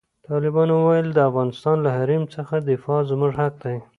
طالبانو وویل، د افغانستان له حریم څخه دفاع زموږ حق دی.